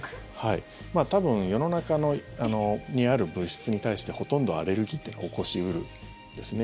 多分世の中にある物質に対してほとんど、アレルギーって起こし得るんですね。